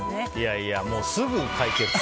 すぐ解決。